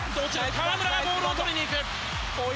河村がボールを取りに行く。